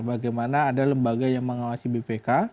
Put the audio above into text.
bagaimana ada lembaga yang mengawasi bpk